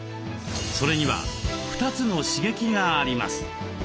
それには２つの刺激があります。